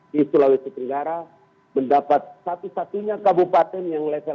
di sulawesi tenggara mendapat satu satunya kabupaten yang level